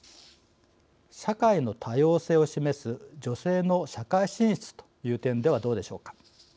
社会の多様性を示す女性の社会進出という点ではどうでしょうか。